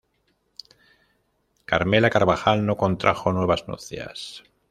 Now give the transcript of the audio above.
Carmela Carvajal no contrajo nuevas nupcias.